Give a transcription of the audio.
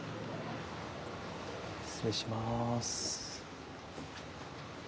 失礼します。